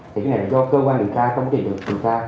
thì cái này là do cơ quan điều tra trong quá trình điều tra